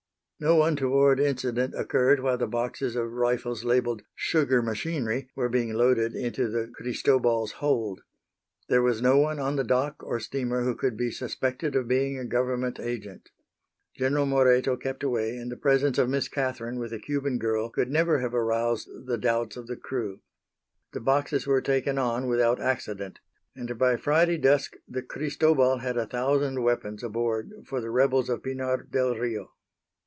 No untoward incident occurred while the boxes of rifles labeled "Sugar machinery" were being loaded into the Cristobal's hold. There was no one on the dock or steamer who could be suspected of being a Government agent. General Moreto kept away, and the presence of Miss Catherine with the Cuban girl could never have aroused the doubts of the crew. The boxes were taken on without accident, and by Friday dusk the Cristobal had a thousand weapons aboard for the rebels of Pinar del Rio.